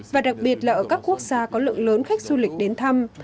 và đặc biệt là ở các quốc gia có lượng lớn khách du lịch đến thăm